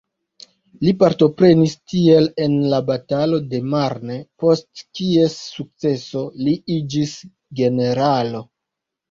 Li partoprenis tiel en la batalo de Marne, post kies sukceso, li iĝis generalo.